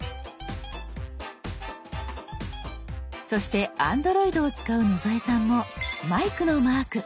そしてＡｎｄｒｏｉｄを使う野添さんもマイクのマーク。